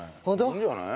いいんじゃない？